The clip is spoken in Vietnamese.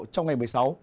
trong ngày một mươi sáu